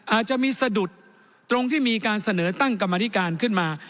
อาจจะมีสะดุดตรงที่มีการเสนอตั้งกรรมธิการขึ้นมา